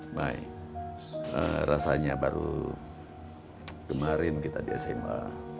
baik rasanya baru kemarin kita di sma